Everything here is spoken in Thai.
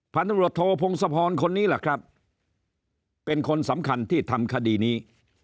พันธุรกิจโทพงศพรคนนี้แหละครับเป็นคนสำคัญที่ทำคดีนี้